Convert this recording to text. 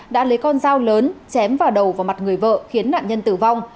đã lấy con dao lớn chém vào đầu vào mặt người vợ khiến nạn nhân tử vong